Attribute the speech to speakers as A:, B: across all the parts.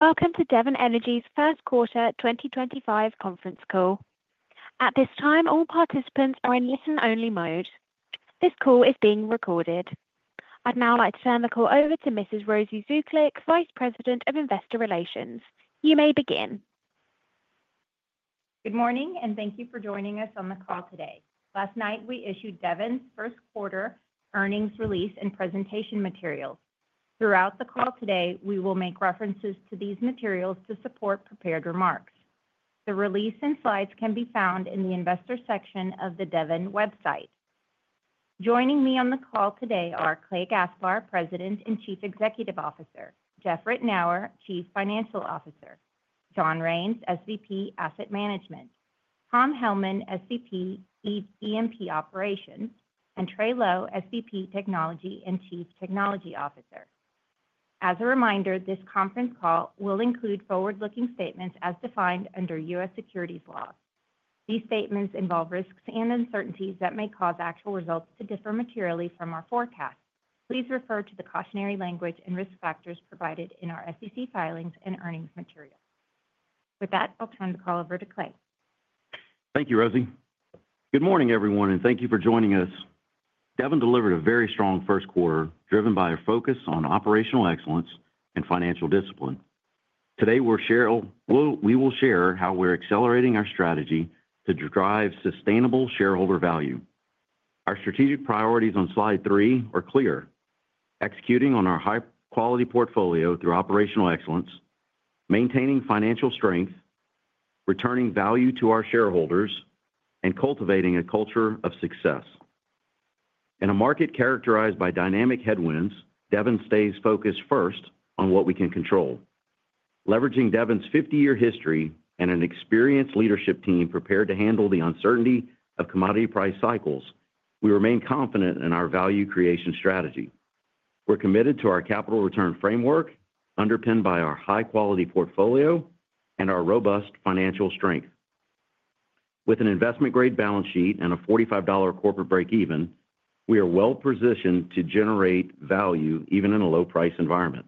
A: Welcome to Devon Energy's first quarter 2025 conference call. At this time, all participants are in listen-only mode. This call is being recorded. I'd now like to turn the call over to Mrs. Rosy Zuklic, Vice President of Investor Relations. You may begin.
B: Good morning, and thank you for joining us on the call today. Last night, we issued Devon's first quarter earnings release and presentation materials. Throughout the call today, we will make references to these materials to support prepared remarks. The release and slides can be found in the investor section of the Devon website. Joining me on the call today are Clay Gaspar, President and Chief Executive Officer; Jeff Ritenour, Chief Financial Officer; John Raines, SVP Asset Management; Tom Hellman, SVP EMP Operations; and Trey Lowe, SVP Technology and Chief Technology Officer. As a reminder, this conference call will include forward-looking statements as defined under U.S. securities law. These statements involve risks and uncertainties that may cause actual results to differ materially from our forecast. Please refer to the cautionary language and risk factors provided in our SEC filings and earnings materials. With that, I'll turn the call over to Clay.
C: Thank you, Rosy. Good morning, everyone, and thank you for joining us. Devon delivered a very strong first quarter, driven by a focus on operational excellence and financial discipline. Today, we will share how we're accelerating our strategy to drive sustainable shareholder value. Our strategic priorities on slide three are clear: executing on our high-quality portfolio through operational excellence, maintaining financial strength, returning value to our shareholders, and cultivating a culture of success. In a market characterized by dynamic headwinds, Devon stays focused first on what we can control. Leveraging Devon's 50-year history and an experienced leadership team prepared to handle the uncertainty of commodity price cycles, we remain confident in our value creation strategy. We're committed to our capital return framework, underpinned by our high-quality portfolio and our robust financial strength. With an investment-grade balance sheet and a $45 corporate break-even, we are well-positioned to generate value even in a low-price environment.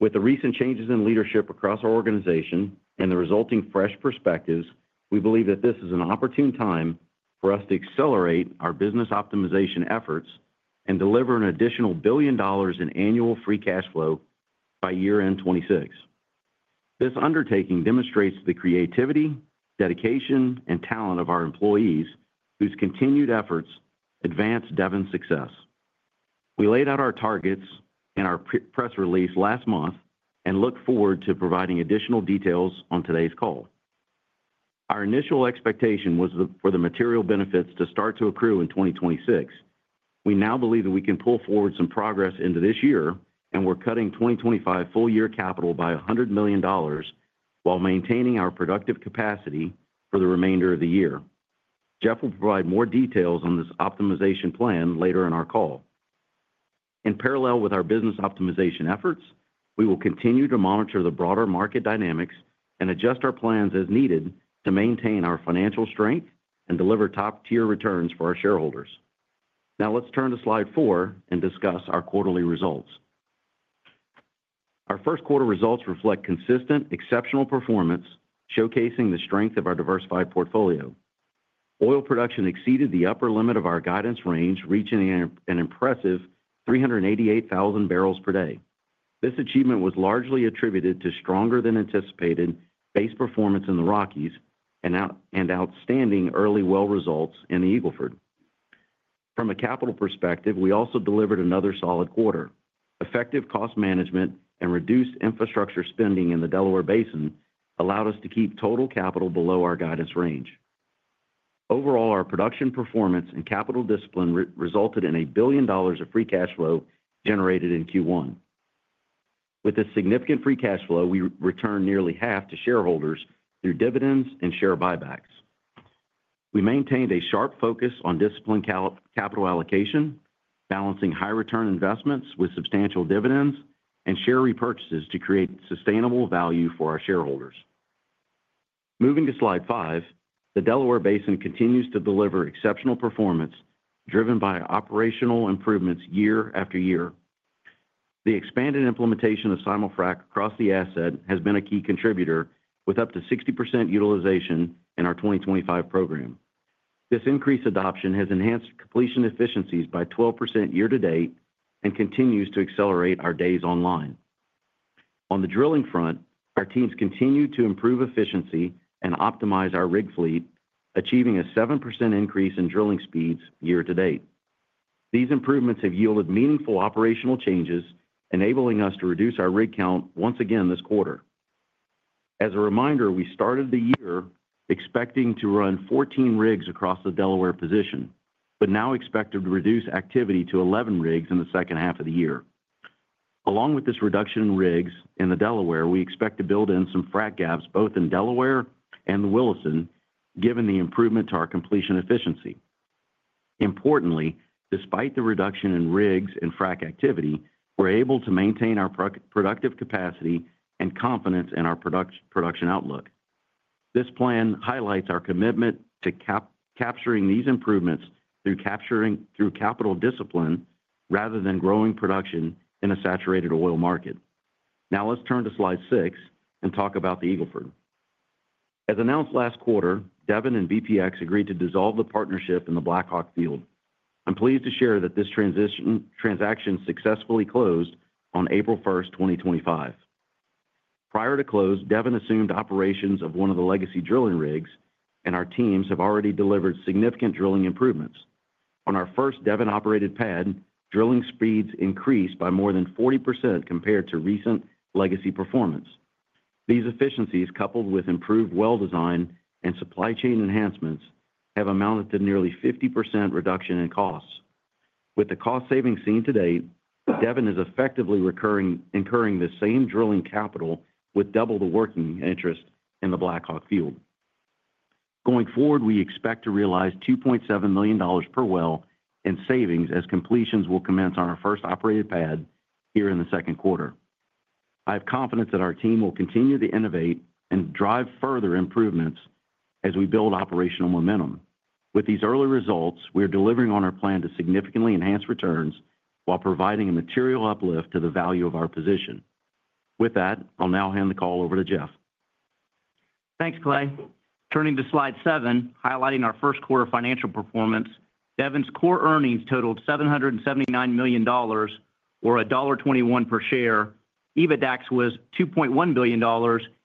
C: With the recent changes in leadership across our organization and the resulting fresh perspectives, we believe that this is an opportune time for us to accelerate our business optimization efforts and deliver an additional $1 billion in annual free cash flow by year-end 2026. This undertaking demonstrates the creativity, dedication, and talent of our employees, whose continued efforts advance Devon's success. We laid out our targets in our press release last month and look forward to providing additional details on today's call. Our initial expectation was for the material benefits to start to accrue in 2026. We now believe that we can pull forward some progress into this year, and we're cutting 2025 full-year capital by $100 million while maintaining our productive capacity for the remainder of the year. Jeff will provide more details on this optimization plan later in our call. In parallel with our business optimization efforts, we will continue to monitor the broader market dynamics and adjust our plans as needed to maintain our financial strength and deliver top-tier returns for our shareholders. Now, let's turn to slide four and discuss our quarterly results. Our first quarter results reflect consistent, exceptional performance, showcasing the strength of our diversified portfolio. Oil production exceeded the upper limit of our guidance range, reaching an impressive 388,000 barrels per day. This achievement was largely attributed to stronger-than-anticipated base performance in the Rockies and outstanding early well results in the Eagle Ford. From a capital perspective, we also delivered another solid quarter. Effective cost management and reduced infrastructure spending in the Delaware Basin allowed us to keep total capital below our guidance range. Overall, our production performance and capital discipline resulted in a $1 billion of free cash flow generated in Q1. With this significant free cash flow, we returned nearly half to shareholders through dividends and share buybacks. We maintained a sharp focus on disciplined capital allocation, balancing high-return investments with substantial dividends and share repurchases to create sustainable value for our shareholders. Moving to slide five, the Delaware Basin continues to deliver exceptional performance, driven by operational improvements year after year. The expanded implementation of Simulfrac across the asset has been a key contributor, with up to 60% utilization in our 2025 program. This increased adoption has enhanced completion efficiencies by 12% year-to-date and continues to accelerate our days online. On the drilling front, our teams continue to improve efficiency and optimize our rig fleet, achieving a 7% increase in drilling speeds year-to-date. These improvements have yielded meaningful operational changes, enabling us to reduce our rig count once again this quarter. As a reminder, we started the year expecting to run 14 rigs across the Delaware position, but now expect to reduce activity to 11 rigs in the second half of the year. Along with this reduction in rigs in the Delaware, we expect to build in some frac gaps both in Delaware and the Williston, given the improvement to our completion efficiency. Importantly, despite the reduction in rigs and frac activity, we're able to maintain our productive capacity and confidence in our production outlook. This plan highlights our commitment to capturing these improvements through capital discipline rather than growing production in a saturated oil market. Now, let's turn to slide six and talk about the Eagle Ford. As announced last quarter, Devon and BPX Energy agreed to dissolve the partnership in the Blackhawk field. I'm pleased to share that this transaction successfully closed on April 1, 2025. Prior to close, Devon assumed operations of one of the legacy drilling rigs, and our teams have already delivered significant drilling improvements. On our first Devon-operated pad, drilling speeds increased by more than 40% compared to recent legacy performance. These efficiencies, coupled with improved well design and supply chain enhancements, have amounted to nearly 50% reduction in costs. With the cost savings seen to date, Devon is effectively incurring the same drilling capital with double the working interest in the Blackhawk field. Going forward, we expect to realize $2.7 million per well in savings as completions will commence on our first operated pad here in the second quarter. I have confidence that our team will continue to innovate and drive further improvements as we build operational momentum. With these early results, we are delivering on our plan to significantly enhance returns while providing a material uplift to the value of our position. With that, I'll now hand the call over to Jeff.
D: Thanks, Clay. Turning to slide seven, highlighting our first quarter financial performance, Devon's core earnings totaled $779 million, or $1.21 per share. EBITDAX was $2.1 billion,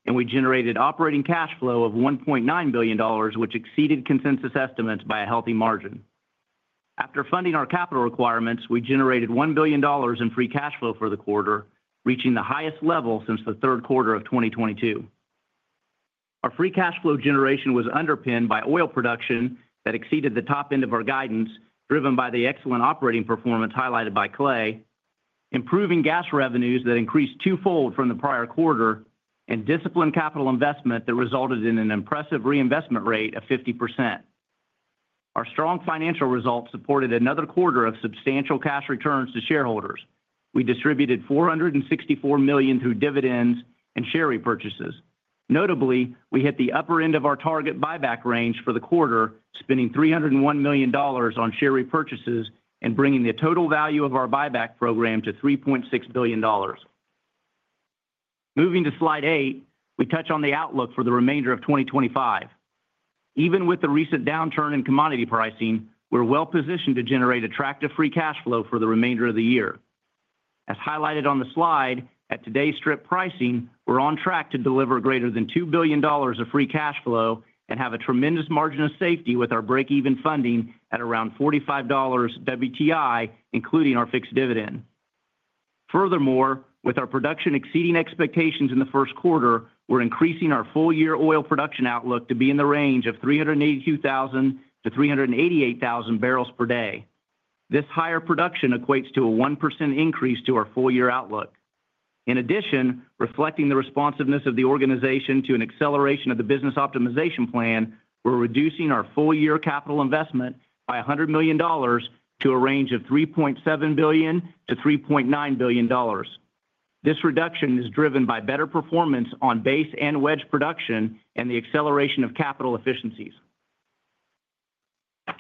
D: and we generated operating cash flow of $1.9 billion, which exceeded consensus estimates by a healthy margin. After funding our capital requirements, we generated $1 billion in free cash flow for the quarter, reaching the highest level since the third quarter of 2022. Our free cash flow generation was underpinned by oil production that exceeded the top end of our guidance, driven by the excellent operating performance highlighted by Clay, improving gas revenues that increased twofold from the prior quarter, and disciplined capital investment that resulted in an impressive reinvestment rate of 50%. Our strong financial results supported another quarter of substantial cash returns to shareholders. We distributed $464 million through dividends and share repurchases. Notably, we hit the upper end of our target buyback range for the quarter, spending $301 million on share repurchases and bringing the total value of our buyback program to $3.6 billion. Moving to slide eight, we touch on the outlook for the remainder of 2025. Even with the recent downturn in commodity pricing, we're well-positioned to generate attractive free cash flow for the remainder of the year. As highlighted on the slide, at today's strip pricing, we're on track to deliver greater than $2 billion of free cash flow and have a tremendous margin of safety with our break-even funding at around $45 WTI, including our fixed dividend. Furthermore, with our production exceeding expectations in the first quarter, we're increasing our full-year oil production outlook to be in the range of 382,000 barrels-388,000 barrels per day. This higher production equates to a 1% increase to our full-year outlook. In addition, reflecting the responsiveness of the organization to an acceleration of the business optimization plan, we're reducing our full-year capital investment by $100 million to a range of $3.7 billion-$3.9 billion. This reduction is driven by better performance on base and wedge production and the acceleration of capital efficiencies.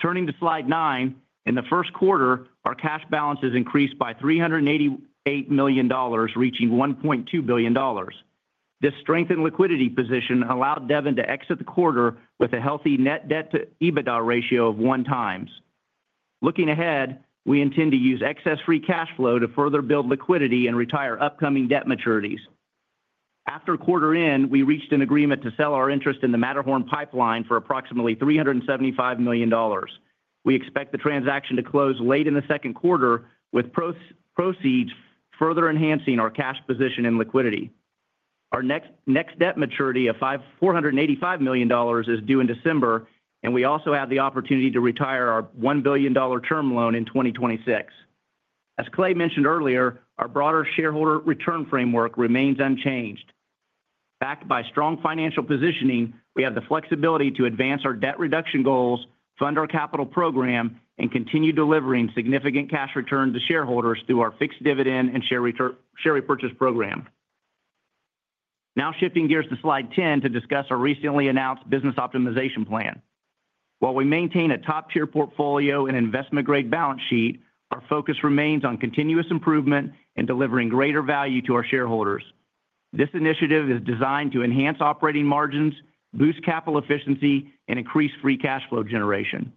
D: Turning to slide nine, in the first quarter, our cash balances increased by $388 million, reaching $1.2 billion. This strengthened liquidity position allowed Devon to exit the quarter with a healthy net debt-to-EBITDA ratio of one times. Looking ahead, we intend to use excess free cash flow to further build liquidity and retire upcoming debt maturities. After quarter end, we reached an agreement to sell our interest in the Matterhorn pipeline for approximately $375 million. We expect the transaction to close late in the second quarter, with proceeds further enhancing our cash position and liquidity. Our next debt maturity of $485 million is due in December, and we also have the opportunity to retire our $1 billion term loan in 2026. As Clay mentioned earlier, our broader shareholder return framework remains unchanged. Backed by strong financial positioning, we have the flexibility to advance our debt reduction goals, fund our capital program, and continue delivering significant cash returns to shareholders through our fixed dividend and share repurchase program. Now shifting gears to slide 10 to discuss our recently announced business optimization plan. While we maintain a top-tier portfolio and investment-grade balance sheet, our focus remains on continuous improvement and delivering greater value to our shareholders. This initiative is designed to enhance operating margins, boost capital efficiency, and increase free cash flow generation.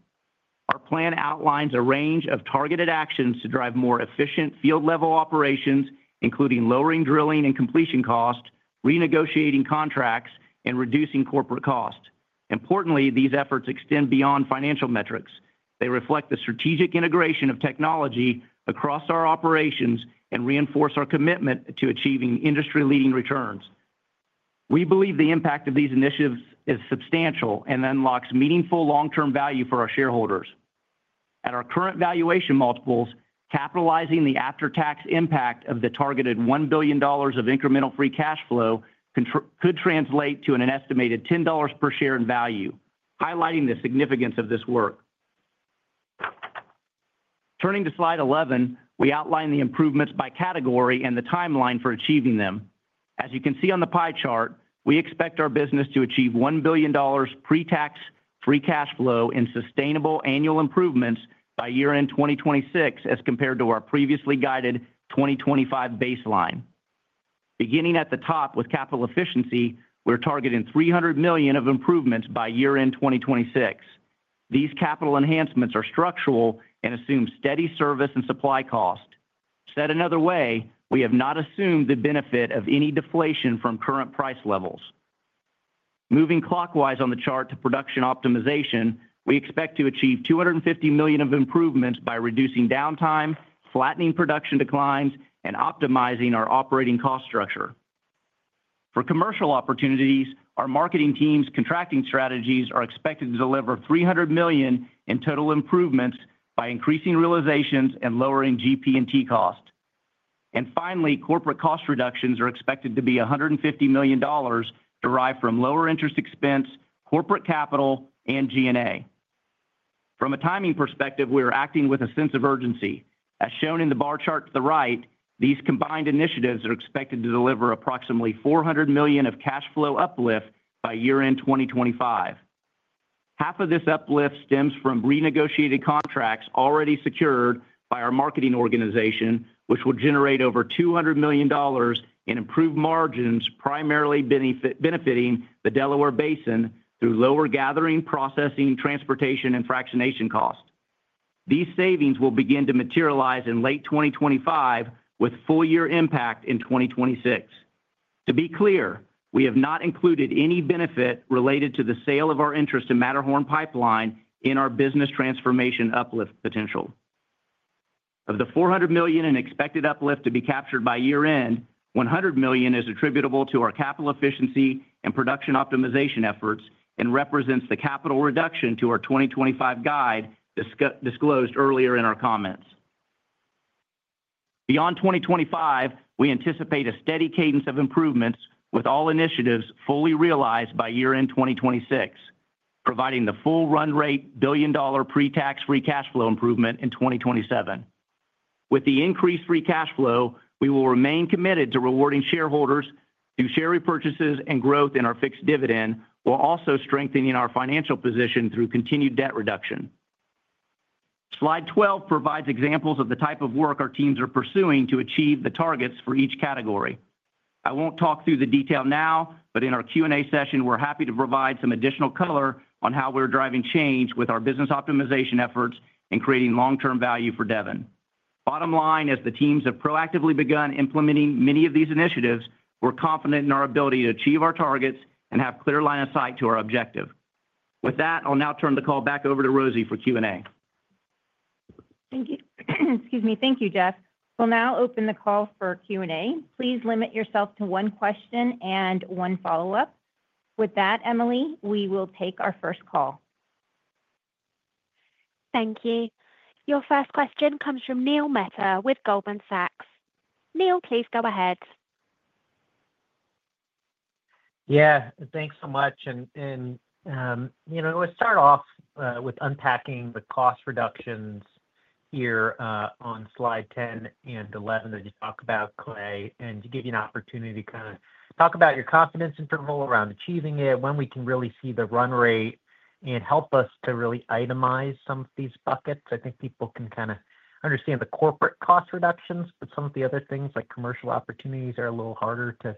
D: Our plan outlines a range of targeted actions to drive more efficient field-level operations, including lowering drilling and completion costs, renegotiating contracts, and reducing corporate costs. Importantly, these efforts extend beyond financial metrics. They reflect the strategic integration of technology across our operations and reinforce our commitment to achieving industry-leading returns. We believe the impact of these initiatives is substantial and unlocks meaningful long-term value for our shareholders. At our current valuation multiples, capitalizing the after-tax impact of the targeted $1 billion of incremental free cash flow could translate to an estimated $10 per share in value, highlighting the significance of this work. Turning to slide 11, we outline the improvements by category and the timeline for achieving them. As you can see on the pie chart, we expect our business to achieve $1 billion pre-tax free cash flow and sustainable annual improvements by year-end 2026 as compared to our previously guided 2025 baseline. Beginning at the top with capital efficiency, we're targeting $300 million of improvements by year-end 2026. These capital enhancements are structural and assume steady service and supply cost. Said another way, we have not assumed the benefit of any deflation from current price levels. Moving clockwise on the chart to production optimization, we expect to achieve $250 million of improvements by reducing downtime, flattening production declines, and optimizing our operating cost structure. For commercial opportunities, our marketing team's contracting strategies are expected to deliver $300 million in total improvements by increasing realizations and lowering GP&T cost. Corporate cost reductions are expected to be $150 million derived from lower interest expense, corporate capital, and G&A. From a timing perspective, we are acting with a sense of urgency. As shown in the bar chart to the right, these combined initiatives are expected to deliver approximately $400 million of cash flow uplift by year-end 2025. Half of this uplift stems from renegotiated contracts already secured by our marketing organization, which will generate over $200 million in improved margins, primarily benefiting the Delaware Basin through lower gathering, processing, transportation, and fractionation costs. These savings will begin to materialize in late 2025 with full-year impact in 2026. To be clear, we have not included any benefit related to the sale of our interest in Matterhorn pipeline in our business transformation uplift potential. Of the $400 million in expected uplift to be captured by year-end, $100 million is attributable to our capital efficiency and production optimization efforts and represents the capital reduction to our 2025 guide disclosed earlier in our comments. Beyond 2025, we anticipate a steady cadence of improvements with all initiatives fully realized by year-end 2026, providing the full run rate billion-dollar pre-tax free cash flow improvement in 2027. With the increased free cash flow, we will remain committed to rewarding shareholders through share repurchases and growth in our fixed dividend, while also strengthening our financial position through continued debt reduction. Slide 12 provides examples of the type of work our teams are pursuing to achieve the targets for each category. I won't talk through the detail now, but in our Q&A session, we're happy to provide some additional color on how we're driving change with our business optimization efforts and creating long-term value for Devon. Bottom line is the teams have proactively begun implementing many of these initiatives. We're confident in our ability to achieve our targets and have a clear line of sight to our objective. With that, I'll now turn the call back over to Rosy for Q&A.
B: Thank you. Excuse me. Thank you, Jeff. We'll now open the call for Q&A. Please limit yourself to one question and one follow-up. With that, Emily, we will take our first call.
A: Thank you. Your first question comes from Neil Mehta with Goldman Sachs. Neil, please go ahead.
E: Yeah, thanks so much. Let's start off with unpacking the cost reductions here on slide 10 and 11 that you talk about, Clay, and to give you an opportunity to kind of talk about your confidence interval around achieving it, when we can really see the run rate, and help us to really itemize some of these buckets. I think people can kind of understand the corporate cost reductions, but some of the other things, like commercial opportunities, are a little harder to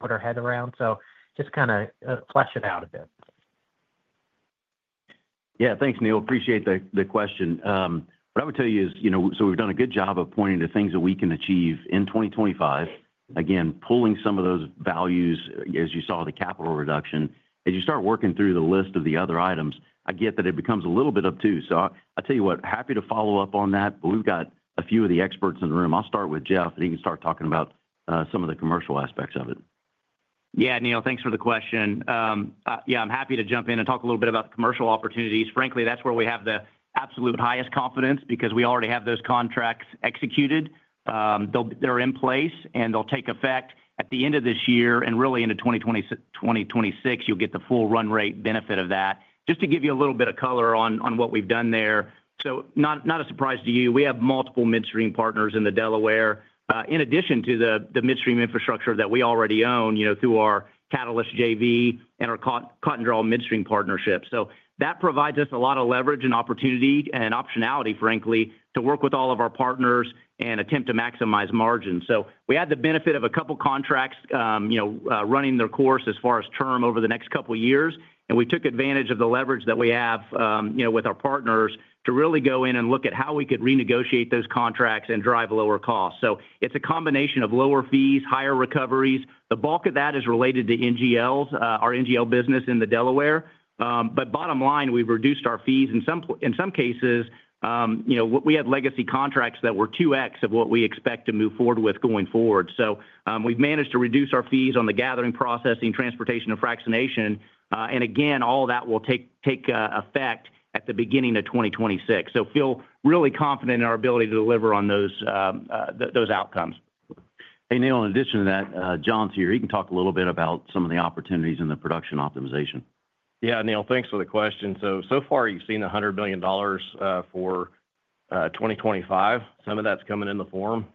E: put our head around. Just kind of flesh it out a bit.
C: Yeah, thanks, Neil. Appreciate the question. What I would tell you is, so we've done a good job of pointing to things that we can achieve in 2025, again, pulling some of those values, as you saw the capital reduction. As you start working through the list of the other items, I get that it becomes a little bit of two. I'll tell you what, happy to follow up on that, but we've got a few of the experts in the room. I'll start with Jeff, and he can start talking about some of the commercial aspects of it.
D: Yeah, Neil, thanks for the question. Yeah, I'm happy to jump in and talk a little bit about the commercial opportunities. Frankly, that's where we have the absolute highest confidence because we already have those contracts executed. They're in place, and they'll take effect at the end of this year and really into 2026. You'll get the full run rate benefit of that. Just to give you a little bit of color on what we've done there, not a surprise to you, we have multiple midstream partners in Delaware, in addition to the midstream infrastructure that we already own through our Catalyst JV and our Cotton Draw Midstream partnership. That provides us a lot of leverage and opportunity and optionality, frankly, to work with all of our partners and attempt to maximize margins. We had the benefit of a couple of contracts running their course as far as term over the next couple of years, and we took advantage of the leverage that we have with our partners to really go in and look at how we could renegotiate those contracts and drive lower costs. It is a combination of lower fees, higher recoveries. The bulk of that is related to NGLs, our NGL business in Delaware. Bottom line, we have reduced our fees. In some cases, we had legacy contracts that were 2x of what we expect to move forward with going forward. We have managed to reduce our fees on the gathering, processing, transportation, and fractionation. All that will take effect at the beginning of 2026. I feel really confident in our ability to deliver on those outcomes.
C: Hey, Neil, in addition to that, John's here. He can talk a little bit about some of the opportunities in the production optimization.
F: Yeah, Neil, thanks for the question. So far, you've seen $100 million for 2025. Some of that's coming in the form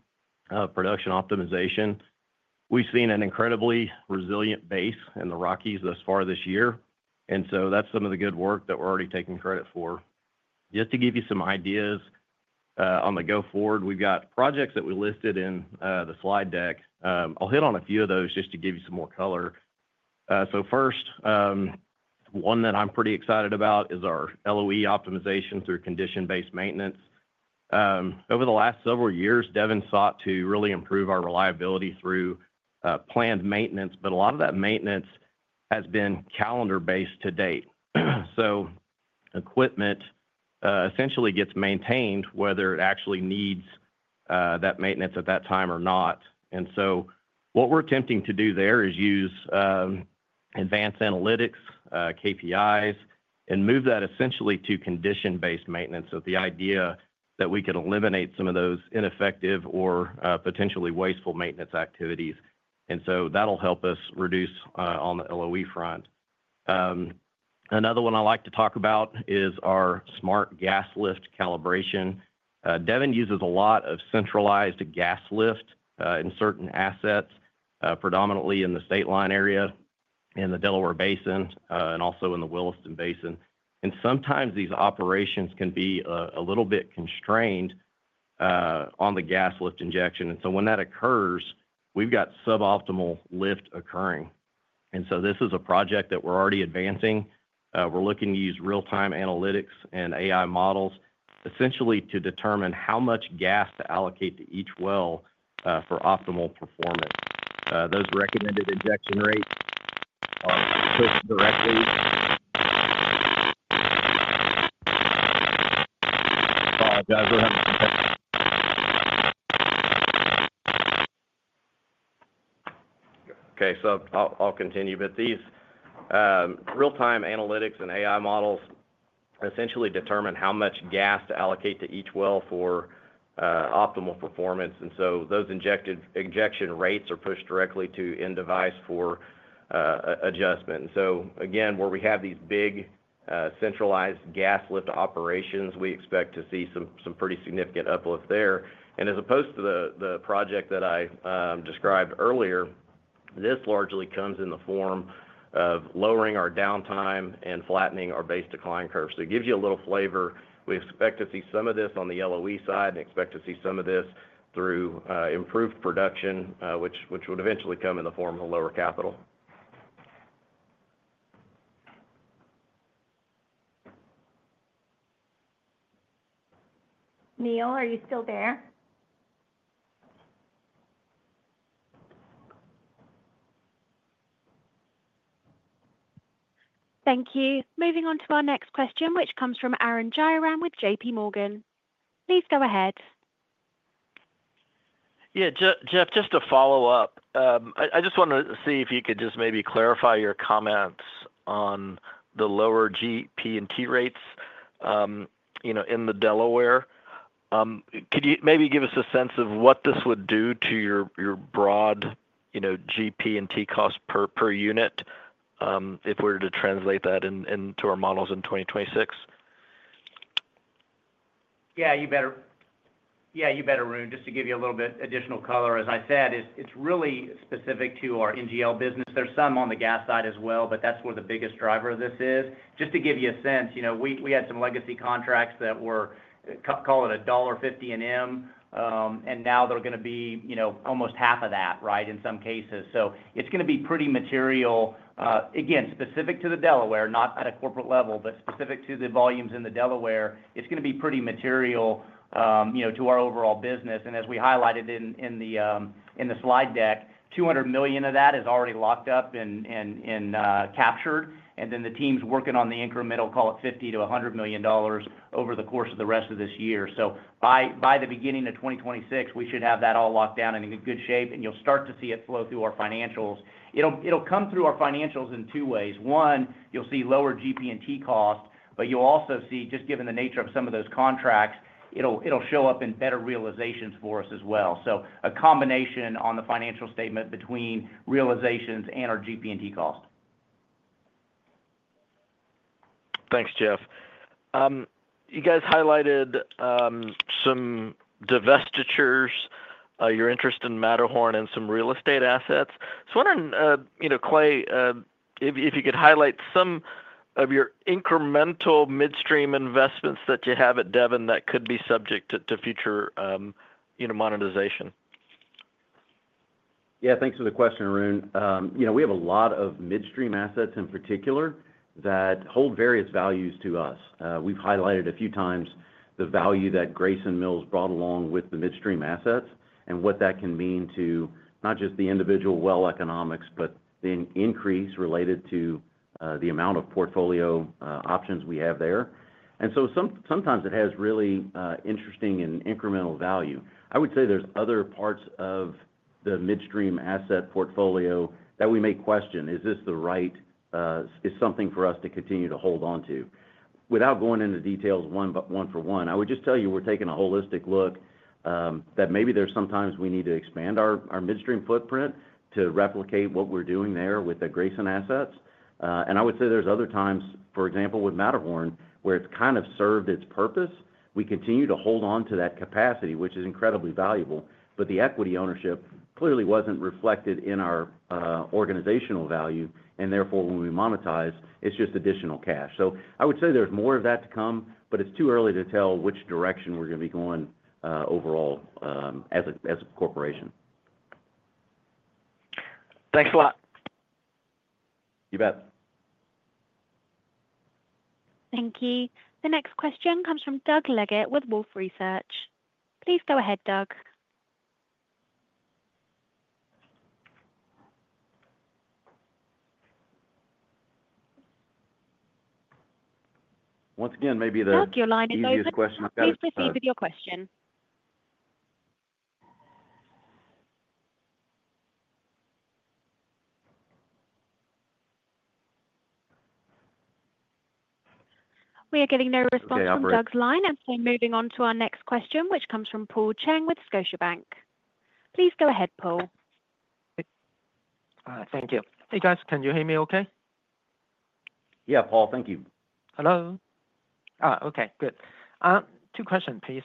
F: of production optimization. We've seen an incredibly resilient base in the Rockies thus far this year. That's some of the good work that we're already taking credit for. Just to give you some ideas on the go forward, we've got projects that we listed in the slide deck. I'll hit on a few of those just to give you some more color. First, one that I'm pretty excited about is our LOE optimization through condition-based maintenance. Over the last several years, Devon sought to really improve our reliability through planned maintenance, but a lot of that maintenance has been calendar-based to date. Equipment essentially gets maintained, whether it actually needs that maintenance at that time or not. What we are attempting to do there is use advanced analytics, KPIs, and move that essentially to condition-based maintenance with the idea that we can eliminate some of those ineffective or potentially wasteful maintenance activities. That will help us reduce on the LOE front. Another one I like to talk about is our smart gas lift calibration. Devon uses a lot of centralized gas lift in certain assets, predominantly in the state line area in the Delaware Basin and also in the Williston Basin. Sometimes these operations can be a little bit constrained on the gas lift injection. When that occurs, we have suboptimal lift occurring. This is a project that we are already advancing. We are looking to use real-time analytics and AI models essentially to determine how much gas to allocate to each well for optimal performance. Those recommended injection rates are pushed directly. Okay, I'll continue. These real-time analytics and AI models essentially determine how much gas to allocate to each well for optimal performance. Those injection rates are pushed directly to end device for adjustment. Where we have these big centralized gas lift operations, we expect to see some pretty significant uplift there. As opposed to the project that I described earlier, this largely comes in the form of lowering our downtime and flattening our base decline curve. It gives you a little flavor. We expect to see some of this on the LOE side and expect to see some of this through improved production, which would eventually come in the form of lower capital.
A: Neil, are you still there? Thank you. Moving on to our next question, which comes from Arun Jayaram with JPMorgan. Please go ahead.
G: Yeah, Jeff, just to follow up, I just wanted to see if you could just maybe clarify your comments on the lower GP&T rates in Delaware. Could you maybe give us a sense of what this would do to your broad GP&T cost per unit if we were to translate that into our models in 2026?
D: Yeah, you better. Yeah, you better, Arun, just to give you a little bit additional color. As I said, it's really specific to our NGL business. There's some on the gas side as well, but that's where the biggest driver of this is. Just to give you a sense, we had some legacy contracts that were, call it $1.50 an M, and now they're going to be almost half of that, right, in some cases. It's going to be pretty material. Again, specific to the Delaware, not at a corporate level, but specific to the volumes in Delaware, it's going to be pretty material to our overall business. As we highlighted in the slide deck, $200 million of that is already locked up and captured. The team's working on the incremental, call it $50-$100 million over the course of the rest of this year. By the beginning of 2026, we should have that all locked down in good shape, and you'll start to see it flow through our financials. It'll come through our financials in two ways. One, you'll see lower GP&T cost, but you'll also see, just given the nature of some of those contracts, it'll show up in better realizations for us as well. A combination on the financial statement between realizations and our GP&T cost.
G: Thanks, Jeff. You guys highlighted some divestitures, your interest in Matterhorn, and some real estate assets. I was wondering, Clay, if you could highlight some of your incremental midstream investments that you have at Devon that could be subject to future monetization.
C: Yeah, thanks for the question, Arun. We have a lot of midstream assets in particular that hold various values to us. We've highlighted a few times the value that Grayson Mill brought along with the midstream assets and what that can mean to not just the individual well economics, but the increase related to the amount of portfolio options we have there. Sometimes it has really interesting and incremental value. I would say there's other parts of the midstream asset portfolio that we may question. Is this the right, is something for us to continue to hold on to? Without going into details one-for-one, I would just tell you we're taking a holistic look that maybe there's sometimes we need to expand our midstream footprint to replicate what we're doing there with the Grayson assets. I would say there are other times, for example, with Matterhorn, where it has kind of served its purpose. We continue to hold on to that capacity, which is incredibly valuable, but the equity ownership clearly was not reflected in our organizational value. Therefore, when we monetize, it is just additional cash. I would say there is more of that to come, but it is too early to tell which direction we are going to be going overall as a corporation.
G: Thanks a lot.
C: You bet.
A: Thank you. The next question comes from Doug Leggett with Wolfe Research. Please go ahead, Doug.
C: Once again, maybe the.
A: Doug, your line is over. Please proceed with your question. We are getting no response from Doug's line. I'm moving on to our next question, which comes from Paul Cheng with Scotiabank. Please go ahead, Paul.
H: Thank you. Hey, guys, can you hear me okay?
D: Yeah, Paul, thank you.
H: Hello? Okay, good. Two questions, please.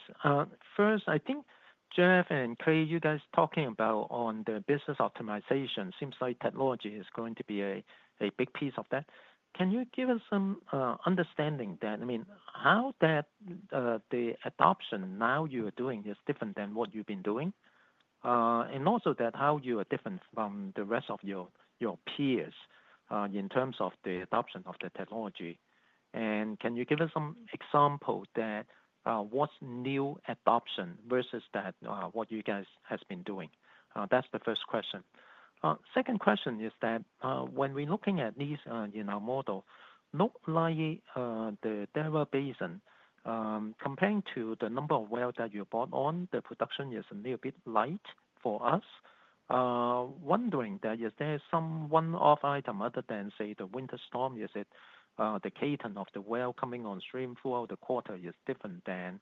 H: First, I think Jeff and Clay, you guys talking about on the business optimization, seems like technology is going to be a big piece of that. Can you give us some understanding that, I mean, how that the adoption now you are doing is different than what you've been doing? Also, that how you are different from the rest of your peers in terms of the adoption of the technology. Can you give us some example that what's new adoption versus that what you guys have been doing? That's the first question. Second question is that when we're looking at these in our model, not like the Delaware Basin, comparing to the number of wells that you brought on, the production is a little bit light for us. Wondering that is there some one-off item other than, say, the winter storm? Is it the cadence of the well coming on stream throughout the quarter is different than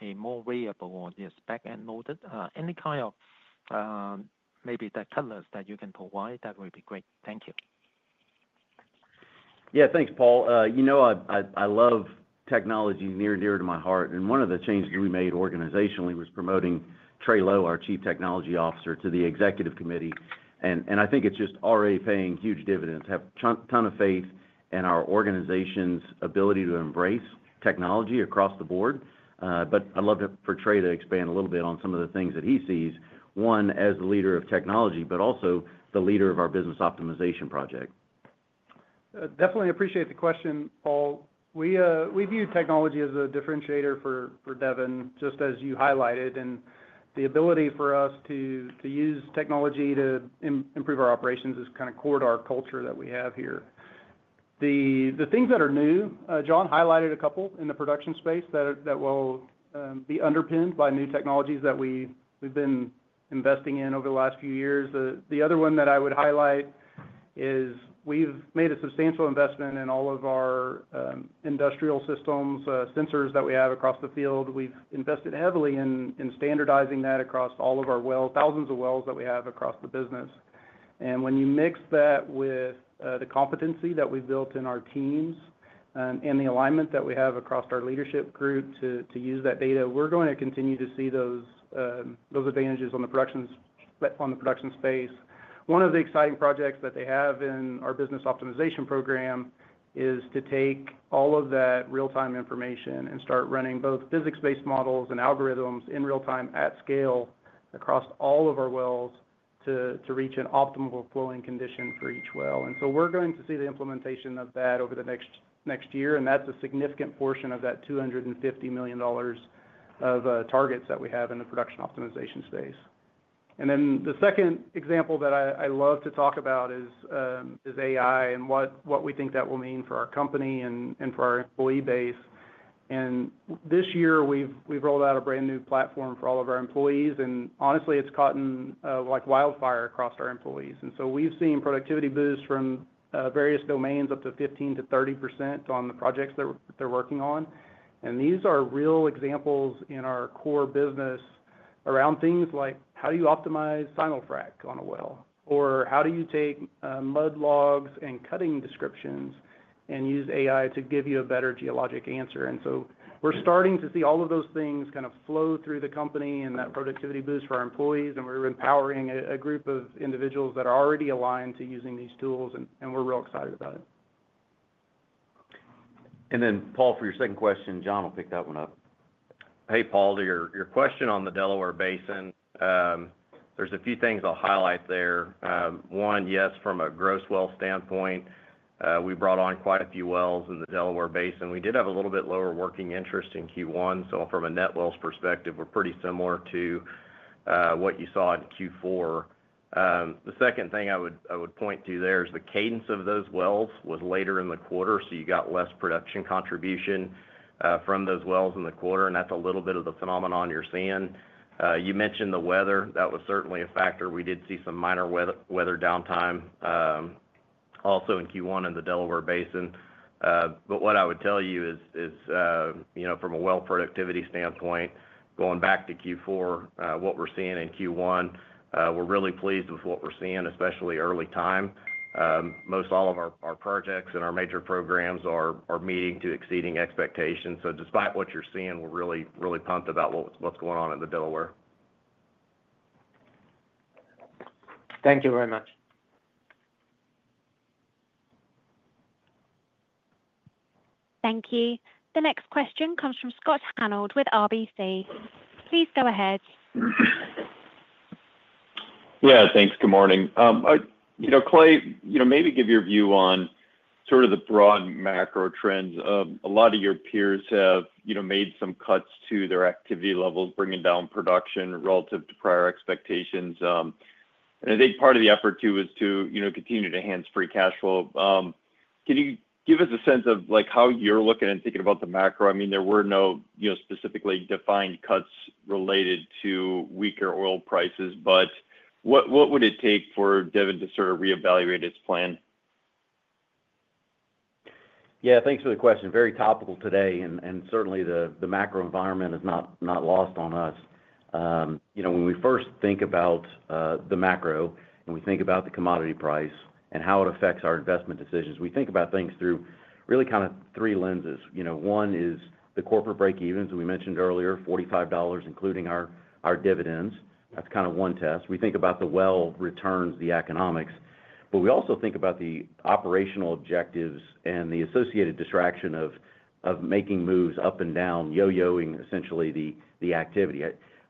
H: a more variable or just back-end loaded? Any kind of maybe the colors that you can provide, that would be great. Thank you.
D: Yeah, thanks, Paul. You know I love technology near and dear to my heart. One of the changes we made organizationally was promoting Trey Lowe, our Chief Technology Officer, to the executive committee. I think it is just already paying huge dividends, have a ton of faith in our organization's ability to embrace technology across the board. I would love for Trey to expand a little bit on some of the things that he sees, one as the leader of technology, but also the leader of our business optimization project.
I: Definitely appreciate the question, Paul. We view technology as a differentiator for Devon, just as you highlighted. The ability for us to use technology to improve our operations is kind of core to our culture that we have here. The things that are new, John highlighted a couple in the production space that will be underpinned by new technologies that we have been investing in over the last few years. The other one that I would highlight is we have made a substantial investment in all of our industrial systems, sensors that we have across the field. We have invested heavily in standardizing that across all of our wells, thousands of wells that we have across the business. When you mix that with the competency that we have built in our teams and the alignment that we have across our leadership group to use that data, we are going to continue to see those advantages on the production space. One of the exciting projects that they have in our business optimization program is to take all of that real-time information and start running both physics-based models and algorithms in real time at scale across all of our wells to reach an optimal flowing condition for each well. We are going to see the implementation of that over the next year. That is a significant portion of that $250 million of targets that we have in the production optimization space. The second example that I love to talk about is AI and what we think that will mean for our company and for our employee base. This year, we have rolled out a brand new platform for all of our employees. Honestly, it has caught wildfire across our employees. We have seen productivity boosts from various domains up to 15%-30% on the projects that they are working on. These are real examples in our core business around things like how do you optimize Simulfrac on a well? Or how do you take mud logs and cutting descriptions and use AI to give you a better geologic answer? We are starting to see all of those things kind of flow through the company and that productivity boost for our employees. We are empowering a group of individuals that are already aligned to using these tools, and we are real excited about it.
C: Paul, for your second question, John will pick that one up. Hey, Paul, to your question on the Delaware Basin, there are a few things I will highlight there. One, yes, from a gross well standpoint, we brought on quite a few wells in the Delaware Basin. We did have a little bit lower working interest in Q1. From a net wells perspective, we are pretty similar to what you saw in Q4. The second thing I would point to there is the cadence of those wells was later in the quarter, so you got less production contribution from those wells in the quarter. That is a little bit of the phenomenon you are seeing. You mentioned the weather. That was certainly a factor. We did see some minor weather downtime also in Q1 in the Delaware Basin. What I would tell you is from a well productivity standpoint, going back to Q4, what we're seeing in Q1, we're really pleased with what we're seeing, especially early time. Most all of our projects and our major programs are meeting to exceeding expectations. Despite what you're seeing, we're really, really pumped about what's going on in the Delaware.
H: Thank you very much.
A: Thank you. The next question comes from Scott Hanold with RBC. Please go ahead.
J: Yeah, thanks. Good morning. Clay, maybe give your view on sort of the broad macro trends. A lot of your peers have made some cuts to their activity levels, bringing down production relative to prior expectations. I think part of the effort, too, is to continue to enhance free cash flow. Can you give us a sense of how you're looking and thinking about the macro? I mean, there were no specifically defined cuts related to weaker oil prices, but what would it take for Devon to sort of reevaluate its plan?
C: Yeah, thanks for the question. Very topical today. Certainly, the macro environment is not lost on us. When we first think about the macro and we think about the commodity price and how it affects our investment decisions, we think about things through really kind of three lenses. One is the corporate break-evens, we mentioned earlier, $45 including our dividends. That's kind of one test. We think about the well returns, the economics, but we also think about the operational objectives and the associated distraction of making moves up and down, yo-yoing, essentially, the activity.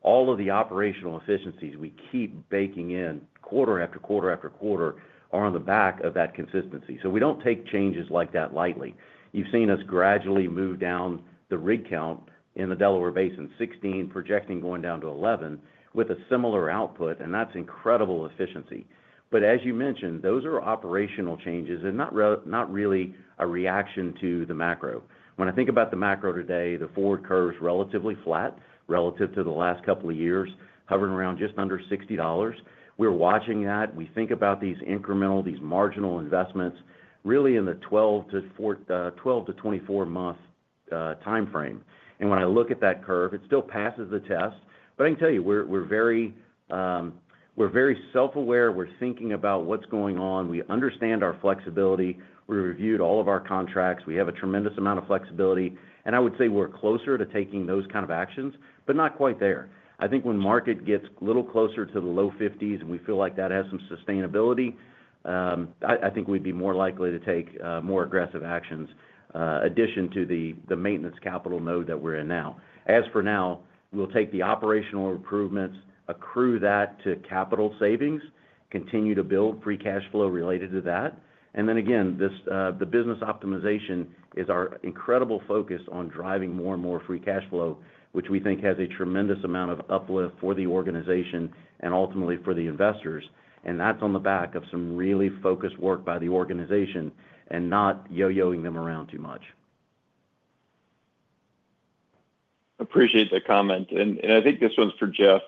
C: All of the operational efficiencies we keep baking in quarter after quarter after quarter are on the back of that consistency. We do not take changes like that lightly. You've seen us gradually move down the rig count in the Delaware Basin, 16 projecting going down to 11 with a similar output, and that's incredible efficiency. As you mentioned, those are operational changes and not really a reaction to the macro. When I think about the macro today, the forward curve is relatively flat relative to the last couple of years, hovering around just under $60. We're watching that. We think about these incremental, these marginal investments really in the 12 month-24 month timeframe. When I look at that curve, it still passes the test. I can tell you, we're very self-aware. We're thinking about what's going on. We understand our flexibility. We reviewed all of our contracts. We have a tremendous amount of flexibility. I would say we're closer to taking those kinds of actions, but not quite there. I think when market gets a little closer to the low $50s and we feel like that has some sustainability, I think we'd be more likely to take more aggressive actions in addition to the maintenance capital node that we're in now. As for now, we'll take the operational improvements, accrue that to capital savings, continue to build free cash flow related to that. Then again, the business optimization is our incredible focus on driving more and more free cash flow, which we think has a tremendous amount of uplift for the organization and ultimately for the investors. That's on the back of some really focused work by the organization and not yo-yoing them around too much.
J: Appreciate the comment. I think this one's for Jeff.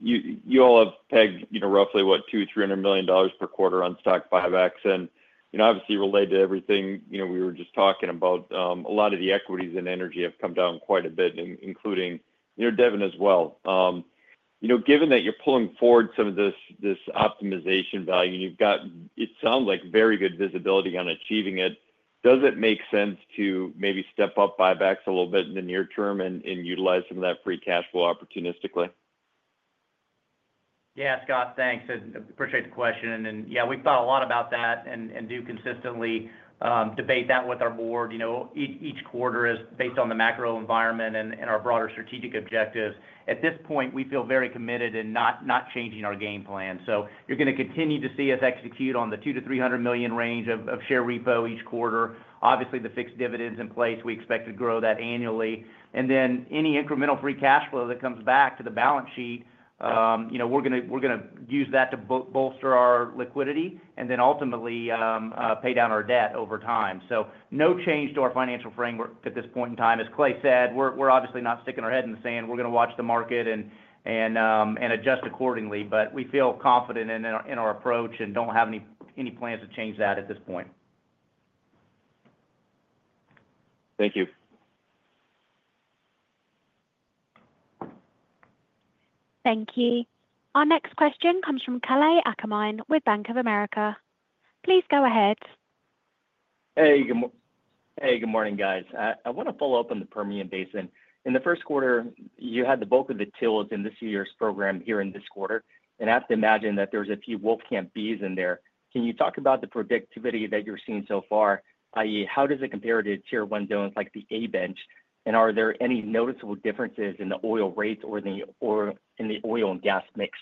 J: You all have pegged roughly, what, $200 million-$300 million per quarter on stock buybacks. Obviously, related to everything we were just talking about, a lot of the equities in energy have come down quite a bit, including Devon as well. Given that you're pulling forward some of this optimization value and you've got, it sounds like, very good visibility on achieving it, does it make sense to maybe step up buybacks a little bit in the near term and utilize some of that free cash flow opportunistically?
D: Yeah, Scott, thanks. I appreciate the question. Yeah, we've thought a lot about that and do consistently debate that with our board. Each quarter is based on the macro environment and our broader strategic objectives. At this point, we feel very committed in not changing our game plan. You're going to continue to see us execute on the $200 million-$300 million range of share repo each quarter. Obviously, the fixed dividends in place, we expect to grow that annually. Any incremental free cash flow that comes back to the balance sheet, we're going to use that to bolster our liquidity and ultimately pay down our debt over time. No change to our financial framework at this point in time. As Clay said, we're obviously not sticking our head in the sand. We're going to watch the market and adjust accordingly. We feel confident in our approach and do not have any plans to change that at this point.
C: Thank you.
A: Thank you. Our next question comes from Kalei Akamine with Bank of America. Please go ahead.
K: Hey, good morning, guys. I want to follow up on the Permian Basin. In the first quarter, you had the bulk of the TILs in this year's program here in this quarter. I have to imagine that there's a few Wolf Camp B's in there. Can you talk about the productivity that you're seeing so far, i.e., how does it compare to tier one zones like the A bench? Are there any noticeable differences in the oil rates or in the oil and gas mix?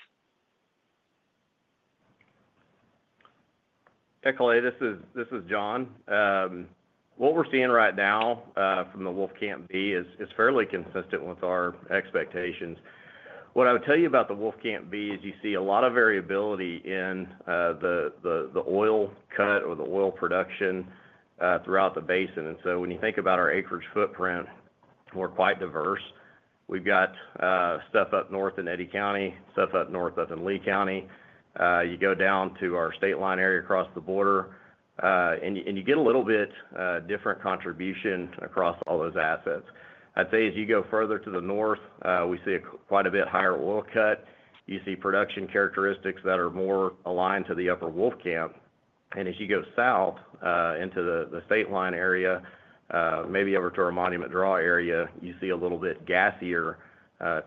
F: Hey, Clay, this is John. What we're seeing right now from the Wolf Camp B is fairly consistent with our expectations. What I would tell you about the Wolf Camp B is you see a lot of variability in the oil cut or the oil production throughout the basin. When you think about our acreage footprint, we're quite diverse. We've got stuff up north in Eddy County, stuff up north up in Lea County. You go down to our state line area across the border, and you get a little bit different contribution across all those assets. I'd say as you go further to the north, we see quite a bit higher oil cut. You see production characteristics that are more aligned to the upper Wolf Camp. As you go south into the state line area, maybe over to our Monument Draw area, you see a little bit gassier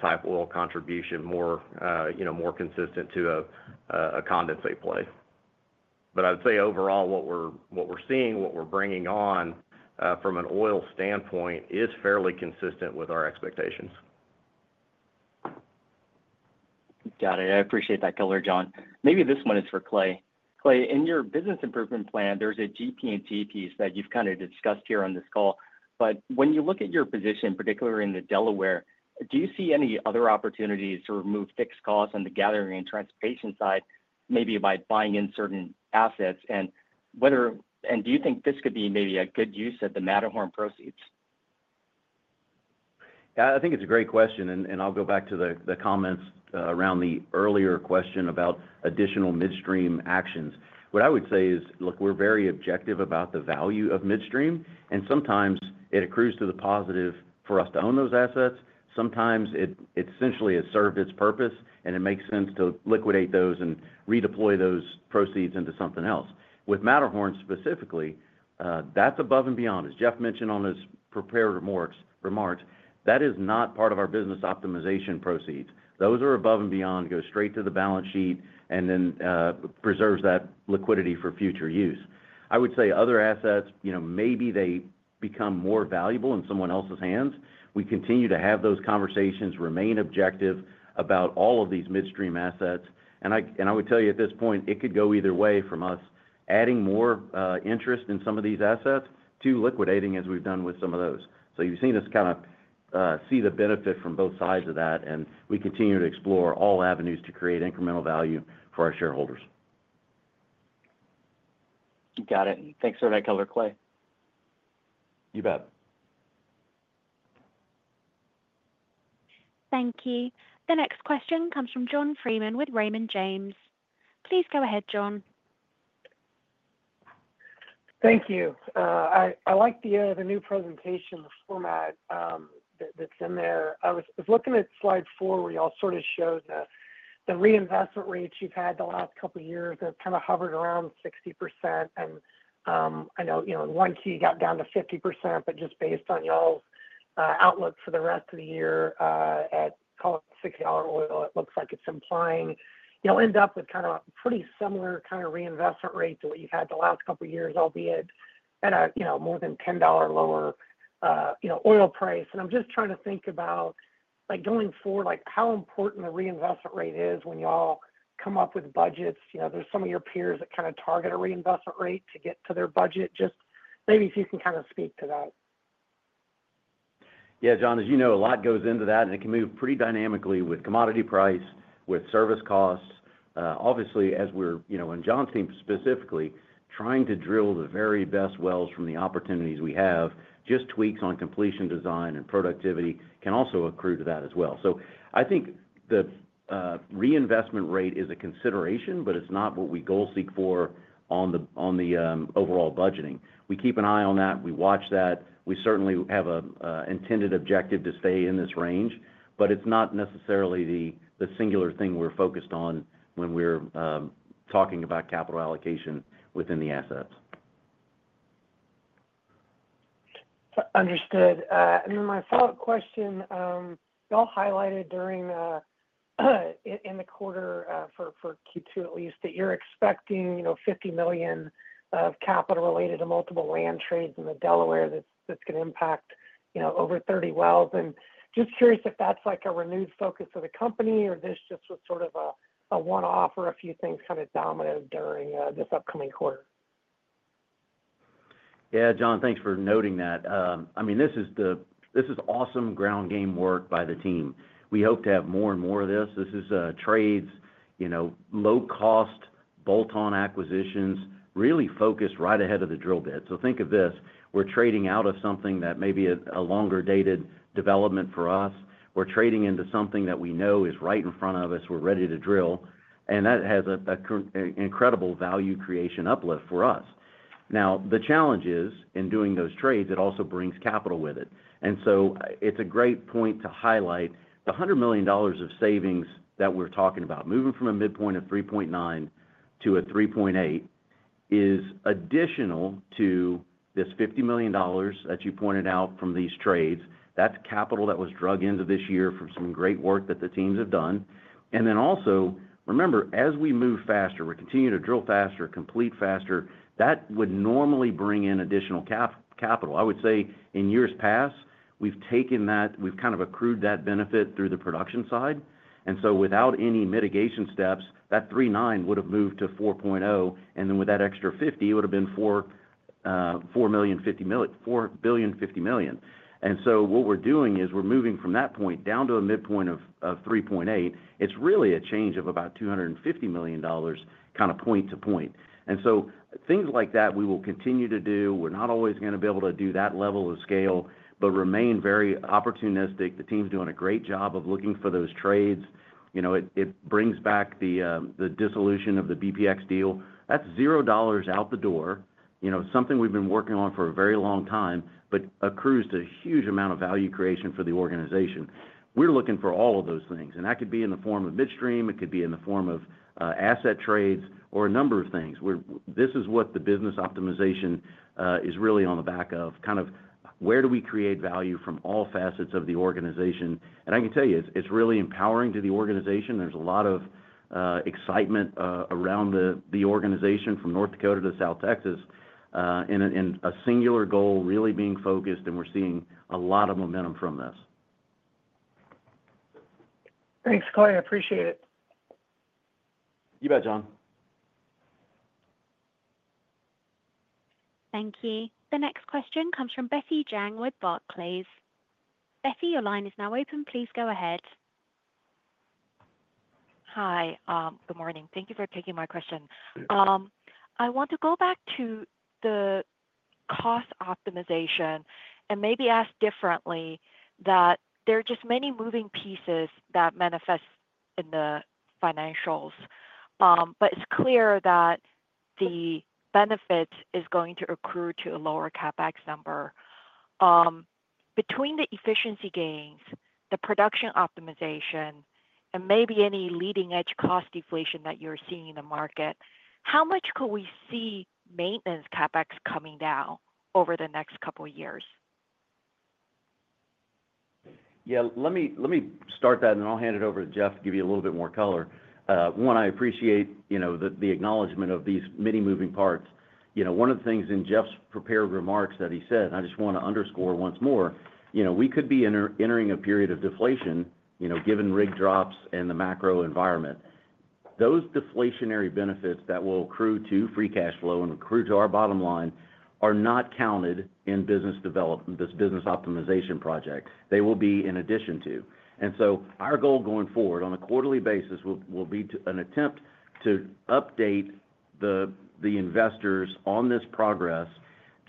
F: type oil contribution, more consistent to a condensate play. I would say overall, what we are seeing, what we are bringing on from an oil standpoint is fairly consistent with our expectations.
K: Got it. I appreciate that color, John. Maybe this one is for Clay. Clay, in your business improvement plan, there's a GP&T piece that you've kind of discussed here on this call. When you look at your position, particularly in the Delaware, do you see any other opportunities to remove fixed costs on the gathering and transportation side, maybe by buying in certain assets? Do you think this could be maybe a good use of the Matterhorn proceeds?
C: Yeah, I think it's a great question. I'll go back to the comments around the earlier question about additional midstream actions. What I would say is, look, we're very objective about the value of midstream. Sometimes it accrues to the positive for us to own those assets. Sometimes it essentially has served its purpose, and it makes sense to liquidate those and redeploy those proceeds into something else. With Matterhorn specifically, that's above and beyond, as Jeff mentioned on his prepared remarks. That is not part of our business optimization proceeds. Those are above and beyond, go straight to the balance sheet and then preserve that liquidity for future use. I would say other assets, maybe they become more valuable in someone else's hands. We continue to have those conversations, remain objective about all of these midstream assets. I would tell you at this point, it could go either way from us adding more interest in some of these assets to liquidating, as we've done with some of those. You've seen us kind of see the benefit from both sides of that. We continue to explore all avenues to create incremental value for our shareholders.
K: Got it. Thanks for that color, Clay.
C: You bet.
A: Thank you. The next question comes from John Freeman with Raymond James. Please go ahead, John.
L: Thank you. I like the new presentation format that's in there. I was looking at slide four where y'all sort of showed the reinvestment rates you've had the last couple of years that kind of hovered around 60%. And I know in one key you got down to 50%, but just based on y'all's outlook for the rest of the year at $60 oil, it looks like it's implying you'll end up with kind of a pretty similar kind of reinvestment rate to what you've had the last couple of years, albeit at a more than $10 lower oil price. And I'm just trying to think about going forward, how important the reinvestment rate is when y'all come up with budgets. There's some of your peers that kind of target a reinvestment rate to get to their budget. Just maybe if you can kind of speak to that.
C: Yeah, John, as you know, a lot goes into that, and it can move pretty dynamically with commodity price, with service costs. Obviously, as we're on John's team specifically, trying to drill the very best wells from the opportunities we have, just tweaks on completion design and productivity can also accrue to that as well. I think the reinvestment rate is a consideration, but it's not what we goal seek for on the overall budgeting. We keep an eye on that. We watch that. We certainly have an intended objective to stay in this range, but it's not necessarily the singular thing we're focused on when we're talking about capital allocation within the assets.
L: Understood. My follow-up question, y'all highlighted during the quarter for Q2 at least that you're expecting $50 million of capital related to multiple land trades in the Delaware that's going to impact over 30 wells. Just curious if that's a renewed focus of the company or if this just was sort of a one-off or a few things kind of dominoed during this upcoming quarter.
C: Yeah, John, thanks for noting that. I mean, this is awesome ground game work by the team. We hope to have more and more of this. This is trades, low-cost bolt-on acquisitions, really focused right ahead of the drill bit. Think of this. We're trading out of something that may be a longer-dated development for us. We're trading into something that we know is right in front of us. We're ready to drill. That has an incredible value creation uplift for us. Now, the challenge is in doing those trades, it also brings capital with it. It is a great point to highlight the $100 million of savings that we're talking about. Moving from a midpoint of 3.9 to a 3.8 is additional to this $50 million that you pointed out from these trades. That's capital that was drug into this year from some great work that the teams have done. Also, remember, as we move faster, we continue to drill faster, complete faster, that would normally bring in additional capital. I would say in years past, we've taken that, we've kind of accrued that benefit through the production side. Without any mitigation steps, that 3.9 would have moved to 4.0. With that extra 50, it would have been $4,050,000,000. What we're doing is we're moving from that point down to a midpoint of 3.8. It's really a change of about $250 million kind of point-to-point. Things like that we will continue to do. We're not always going to be able to do that level of scale, but remain very opportunistic. The team's doing a great job of looking for those trades. It brings back the dissolution of the BPX deal. That's $0 out the door, something we've been working on for a very long time, but accrues to a huge amount of value creation for the organization. We're looking for all of those things. That could be in the form of midstream. It could be in the form of asset trades or a number of things. This is what the business optimization is really on the back of, kind of where do we create value from all facets of the organization. I can tell you, it's really empowering to the organization. There's a lot of excitement around the organization from North Dakota to South Texas in a singular goal really being focused, and we're seeing a lot of momentum from this.
L: Thanks, Clay. I appreciate it.
C: You bet, John.
A: Thank you. The next question comes from Betty Jiang with Barclays. Betty, your line is now open. Please go ahead.
M: Hi, good morning. Thank you for taking my question. I want to go back to the cost optimization and maybe ask differently that there are just many moving pieces that manifest in the financials. It is clear that the benefit is going to accrue to a lower CapEx number. Between the efficiency gains, the production optimization, and maybe any leading-edge cost deflation that you're seeing in the market, how much could we see maintenance CapEx coming down over the next couple of years?
C: Yeah, let me start that, and I'll hand it over to Jeff to give you a little bit more color. One, I appreciate the acknowledgment of these many moving parts. One of the things in Jeff's prepared remarks that he said, and I just want to underscore once more, we could be entering a period of deflation given rig drops and the macro environment. Those deflationary benefits that will accrue to free cash flow and accrue to our bottom line are not counted in this business optimization project. They will be in addition to. Our goal going forward on a quarterly basis will be an attempt to update the investors on this progress,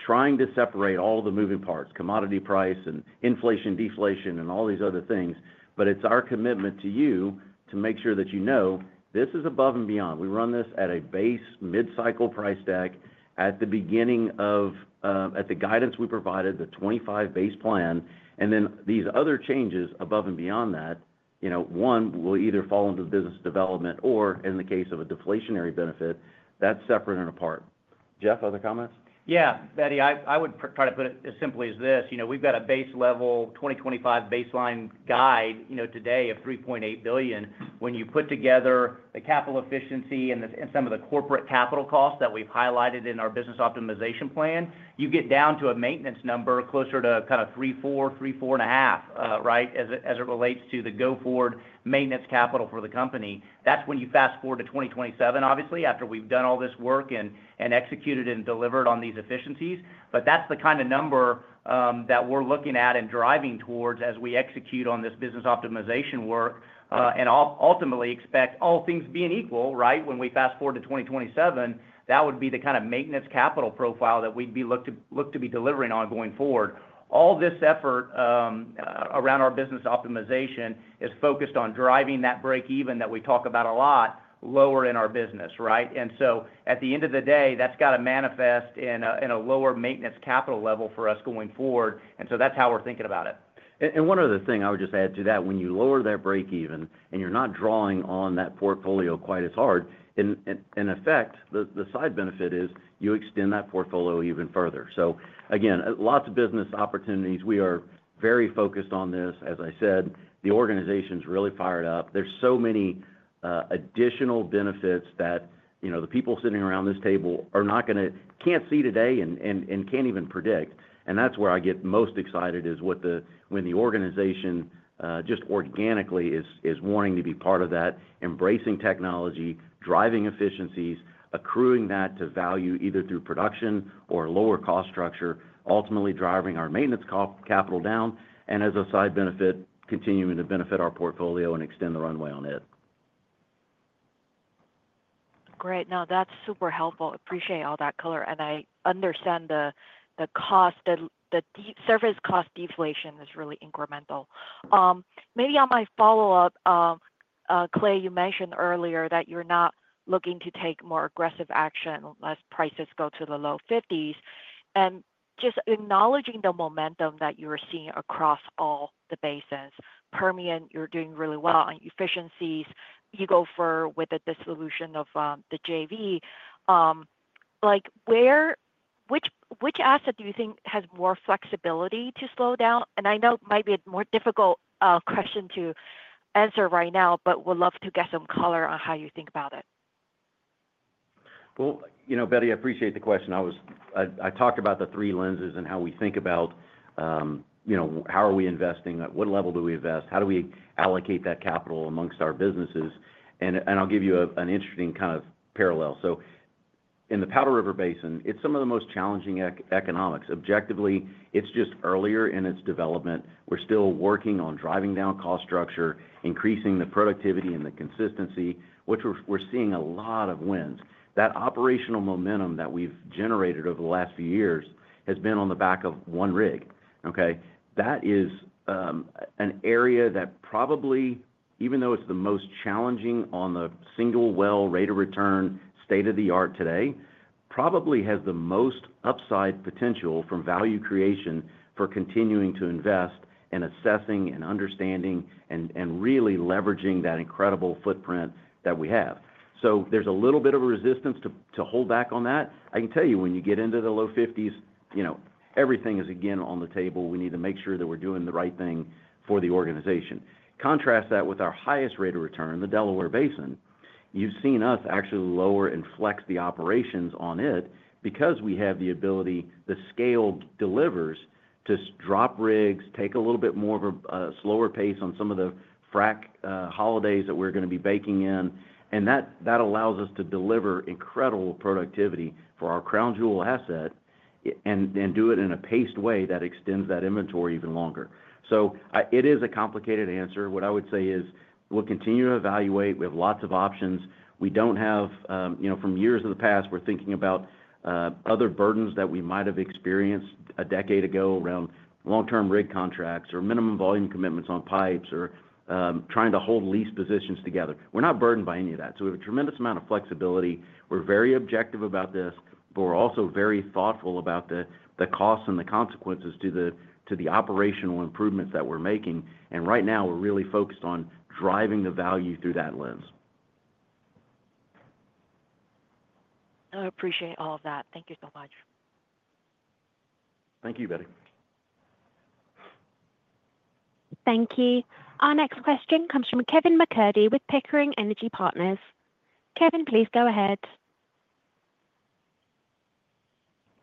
C: trying to separate all the moving parts, commodity price and inflation, deflation, and all these other things. It is our commitment to you to make sure that you know this is above and beyond. We run this at a base mid-cycle price deck at the beginning of the guidance we provided, the 25 base plan. These other changes above and beyond that, one will either fall into the business development or, in the case of a deflationary benefit, that is separate and apart. Jeff, other comments?
D: Yeah, Betty, I would try to put it as simply as this. We've got a base level 2025 baseline guide today of $3.8 billion. When you put together the capital efficiency and some of the corporate capital costs that we've highlighted in our business optimization plan, you get down to a maintenance number closer to kind of $3.4 billion-$3.45 billion, right, as it relates to the go forward maintenance capital for the company. That's when you fast forward to 2027, obviously, after we've done all this work and executed and delivered on these efficiencies. That is the kind of number that we're looking at and driving towards as we execute on this business optimization work and ultimately expect all things being equal, right? When we fast forward to 2027, that would be the kind of maintenance capital profile that we'd be looking to be delivering on going forward. All this effort around our business optimization is focused on driving that break-even that we talk about a lot lower in our business, right? At the end of the day, that's got to manifest in a lower maintenance capital level for us going forward. That's how we're thinking about it.
C: One other thing I would just add to that. When you lower that break-even and you are not drawing on that portfolio quite as hard, in effect, the side benefit is you extend that portfolio even further. Again, lots of business opportunities. We are very focused on this. As I said, the organization's really fired up. There are so many additional benefits that the people sitting around this table can't see today and cannot even predict. That is where I get most excited is, when the organization just organically is wanting to be part of that, embracing technology, driving efficiencies, accruing that to value either through production or a lower cost structure, ultimately driving our maintenance capital down. As a side benefit, continuing to benefit our portfolio and extend the runway on it.
M: Great. No, that's super helpful. Appreciate all that color. I understand the service cost deflation is really incremental. Maybe on my follow-up, Clay, you mentioned earlier that you're not looking to take more aggressive action unless prices go to the low 50s. I understand the momentum that you are seeing across all the basins. Permian, you're doing really well on efficiencies. You go further with the dissolution of the JV. Which asset do you think has more flexibility to slow down? I know it might be a more difficult question to answer right now, but would love to get some color on how you think about it.
C: Betty, I appreciate the question. I talked about the three lenses and how we think about how are we investing, at what level do we invest, how do we allocate that capital amongst our businesses. I'll give you an interesting kind of parallel. In the Powder River Basin, it's some of the most challenging economics. Objectively, it's just earlier in its development. We're still working on driving down cost structure, increasing the productivity and the consistency, which we're seeing a lot of wins. That operational momentum that we've generated over the last few years has been on the back of one rig, okay? That is an area that probably, even though it's the most challenging on the single well rate of return, state of the art today, probably has the most upside potential from value creation for continuing to invest and assessing and understanding and really leveraging that incredible footprint that we have. There is a little bit of a resistance to hold back on that. I can tell you when you get into the low 50s, everything is again on the table. We need to make sure that we're doing the right thing for the organization. Contrast that with our highest rate of return, the Delaware Basin. You've seen us actually lower and flex the operations on it because we have the ability, the scale delivers to drop rigs, take a little bit more of a slower pace on some of the frac holidays that we're going to be baking in. That allows us to deliver incredible productivity for our crown jewel asset and do it in a paced way that extends that inventory even longer. It is a complicated answer. What I would say is we'll continue to evaluate. We have lots of options. We don't have from years of the past, we are thinking about other burdens that we might have experienced a decade ago around long-term rig contracts or minimum volume commitments on pipes or trying to hold lease positions together. We are not burdened by any of that. We have a tremendous amount of flexibility. We are very objective about this, but we are also very thoughtful about the costs and the consequences to the operational improvements that we are making. Right now, we are really focused on driving the value through that lens.
M: I appreciate all of that. Thank you so much.
C: Thank you, Betty.
A: Thank you. Our next question comes from Kevin MacCurdy with Pickering Energy Partners. Kevin, please go ahead.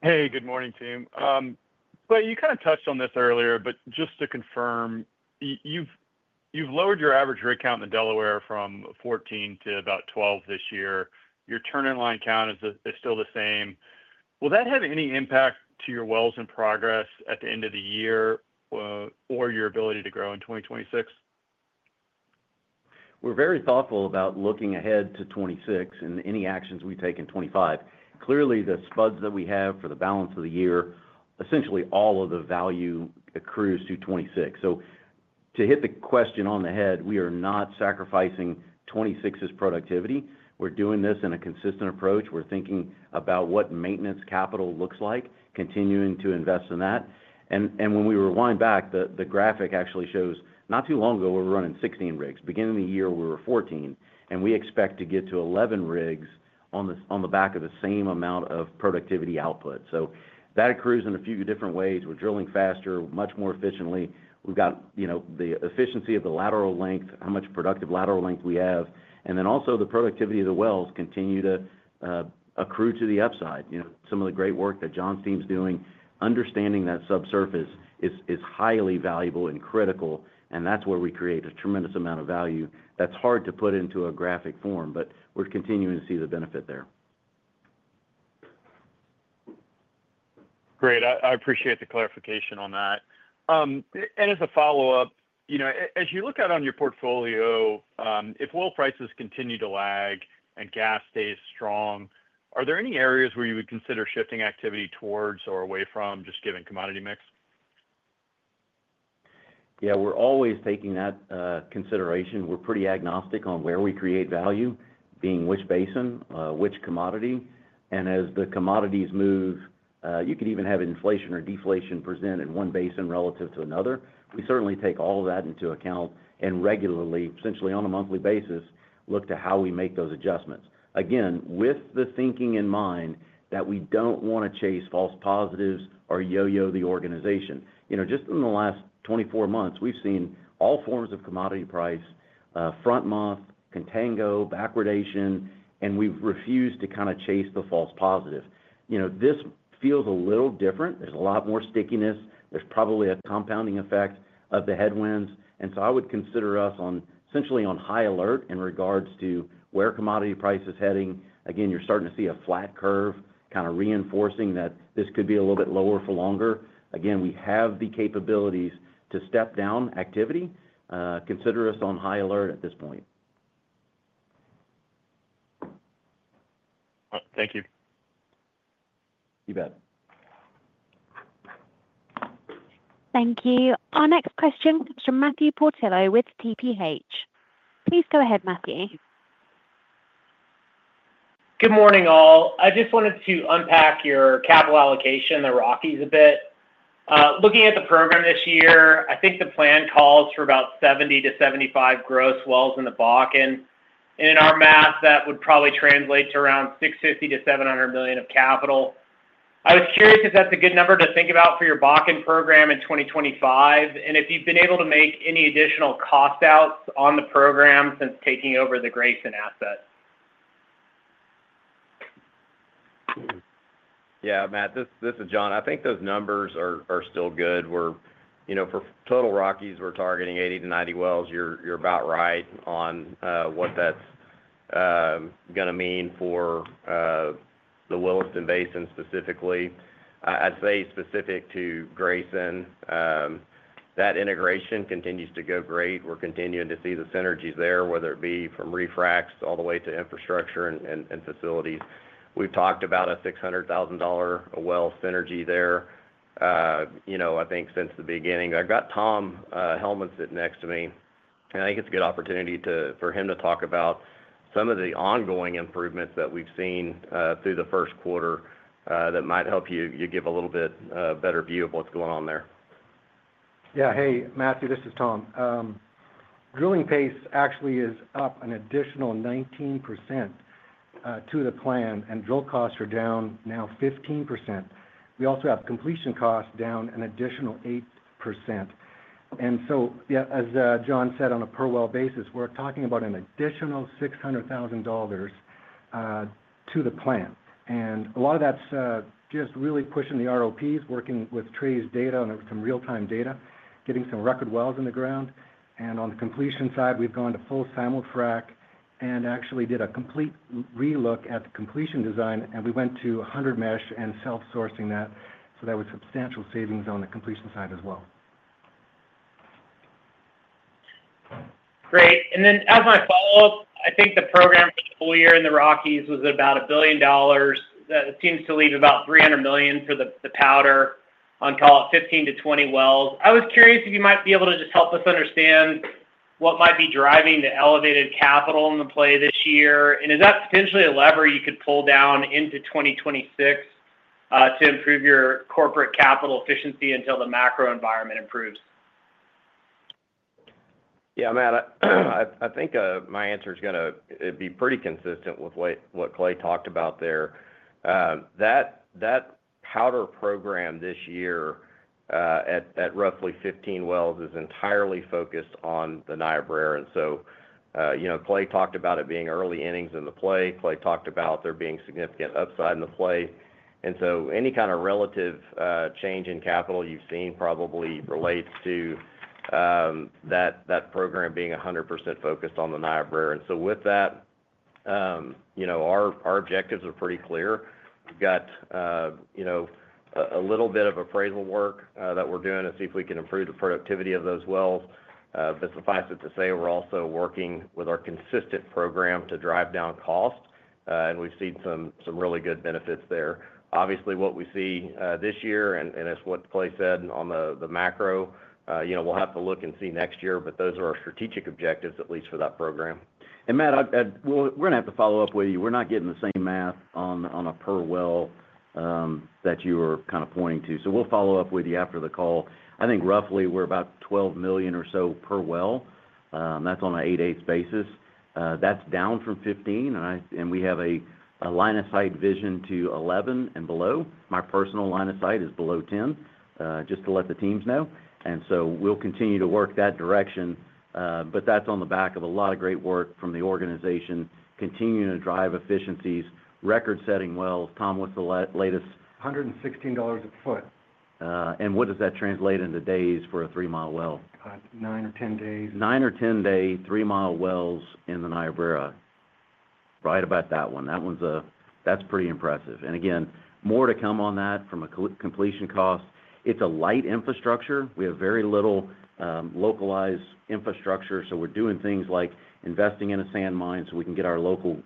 N: Hey, good morning, team. Clay, you kind of touched on this earlier, but just to confirm, you've lowered your average rig count in Delaware from 14 to about 12 this year. Your turn-in line count is still the same. Will that have any impact to your wells in progress at the end of the year or your ability to grow in 2026?
C: We're very thoughtful about looking ahead to 2026 and any actions we take in 2025. Clearly, the spuds that we have for the balance of the year, essentially all of the value accrues to 2026. To hit the question on the head, we are not sacrificing 2026's productivity. We're doing this in a consistent approach. We're thinking about what maintenance capital looks like, continuing to invest in that. When we rewind back, the graphic actually shows not too long ago, we were running 16 rigs. Beginning of the year, we were 14. We expect to get to 11 rigs on the back of the same amount of productivity output. That accrues in a few different ways. We're drilling faster, much more efficiently. We've got the efficiency of the lateral length, how much productive lateral length we have, and then also the productivity of the wells continue to accrue to the upside. Some of the great work that John's team's doing, understanding that subsurface is highly valuable and critical, and that's where we create a tremendous amount of value. That's hard to put into a graphic form, but we're continuing to see the benefit there.
N: Great. I appreciate the clarification on that. As a follow-up, as you look out on your portfolio, if oil prices continue to lag and gas stays strong, are there any areas where you would consider shifting activity towards or away from, just given commodity mix?
C: Yeah, we're always taking that into consideration. We're pretty agnostic on where we create value, being which basin, which commodity. As the commodities move, you could even have inflation or deflation present in one basin relative to another. We certainly take all of that into account and regularly, essentially on a monthly basis, look to how we make those adjustments. Again, with the thinking in mind that we don't want to chase false positives or yo-yo the organization. Just in the last 24 months, we've seen all forms of commodity price, front month, contango, backwardation, and we've refused to kind of chase the false positive. This feels a little different. There's a lot more stickiness. There's probably a compounding effect of the headwinds. I would consider us essentially on high alert in regards to where commodity price is heading. Again, you're starting to see a flat curve, kind of reinforcing that this could be a little bit lower for longer. Again, we have the capabilities to step down activity. Consider us on high alert at this point.
N: All right. Thank you.
C: You bet.
A: Thank you. Our next question comes from Matthew Portillo with TPH and Co. Please go ahead, Matthew.
O: Good morning, all. I just wanted to unpack your capital allocation in the Rockies a bit. Looking at the program this year, I think the plan calls for about 70-75 gross wells in the Bakken. And in our math, that would probably translate to around $650 million-$700 million of capital. I was curious if that's a good number to think about for your Bakken program in 2025, and if you've been able to make any additional cost outs on the program since taking over the Grayson asset.
F: Yeah, Matt, this is John. I think those numbers are still good. For total Rockies, we're targeting 80-90 wells. You're about right on what that's going to mean for the Williston Basin specifically. I'd say specific to Grayson, that integration continues to go great. We're continuing to see the synergies there, whether it be from refracts all the way to infrastructure and facilities. We've talked about a $600,000 well synergy there, I think, since the beginning. I've got Tom Hellman sitting next to me. I think it's a good opportunity for him to talk about some of the ongoing improvements that we've seen through the first quarter that might help you give a little bit better view of what's going on there.
P: Yeah. Hey, Matthew, this is Tom. Drilling pace actually is up an additional 19% to the plan, and drill costs are down now 15%. We also have completion costs down an additional 8%. Yeah, as John said, on a per well basis, we're talking about an additional $600,000 to the plan. A lot of that's just really pushing the ROPs, working with Trace data and some real-time data, getting some record wells in the ground. On the completion side, we've gone to full Simulfrac and actually did a complete re-look at the completion design, and we went to 100 mesh and self-sourcing that. That was substantial savings on the completion side as well.
O: Great. As my follow-up, I think the program for the full year in the Rockies was about $1 billion. It seems to leave about $300 million for the Powder on call at 15 wells-20 wells. I was curious if you might be able to just help us understand what might be driving the elevated capital in the play this year. Is that potentially a lever you could pull down into 2026 to improve your corporate capital efficiency until the macro environment improves?
F: Yeah, Matt, I think my answer is going to be pretty consistent with what Clay talked about there. That Powder program this year at roughly 15 wells is entirely focused on the Niobrara. Clay talked about it being early innings in the play. Clay talked about there being significant upside in the play. Any kind of relative change in capital you've seen probably relates to that program being 100% focused on the Niobrara. With that, our objectives are pretty clear. We've got a little bit of appraisal work that we're doing to see if we can improve the productivity of those wells. Suffice it to say, we're also working with our consistent program to drive down cost. We've seen some really good benefits there. Obviously, what we see this year, and it is what Clay said on the macro, we will have to look and see next year, but those are our strategic objectives, at least for that program. Matt, we are going to have to follow up with you. We are not getting the same math on a per well that you were kind of pointing to. We will follow up with you after the call. I think roughly we are about $12 million or so per well. That is on an 8/8 basis. That is down from $15 million, and we have a line of sight vision to $11 million and below. My personal line of sight is below $10 million, just to let the teams know. We will continue to work that direction. That is on the back of a lot of great work from the organization, continuing to drive efficiencies, record-setting wells. Tom, what is the latest?
P: $116 a foot.
F: What does that translate into days for a three-mile well?
P: Nine or ten days.
F: Nine or ten-day three-mile wells in the Niobrara. Right about that one. That is pretty impressive. Again, more to come on that from a completion cost. It is a light infrastructure. We have very little localized infrastructure. We are doing things like investing in a sand mine so we can get our local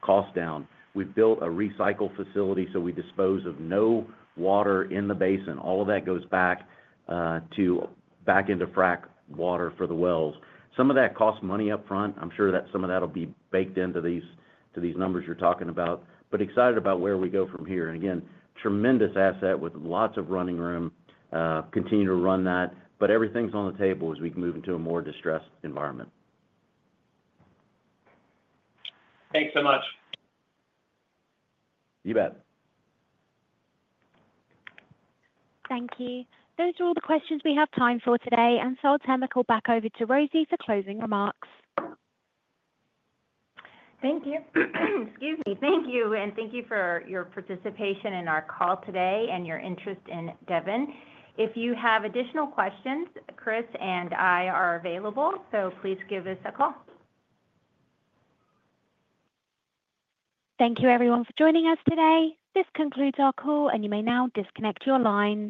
F: cost down. We have built a recycle facility, so we dispose of no water in the basin. All of that goes back into frac water for the wells. Some of that costs money upfront. I am sure that some of that will be baked into these numbers you are talking about. Excited about where we go from here. Again, tremendous asset with lots of running room. Continue to run that. Everything is on the table as we move into a more distressed environment.
O: Thanks so much.
C: You bet.
A: Thank you. Those are all the questions we have time for today. I'll turn the call back over to Rosy for closing remarks.
B: Thank you. Excuse me. Thank you. Thank you for your participation in our call today and your interest in Devon. If you have additional questions, Chris and I are available. Please give us a call.
A: Thank you, everyone, for joining us today. This concludes our call, and you may now disconnect your line.